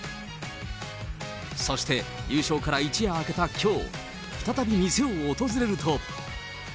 そして優勝から一夜明けたきょう、再び店を訪れると。